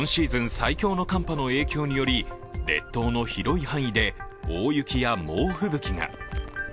最強の寒波の影響により列島の広い範囲で大雪や猛吹雪が。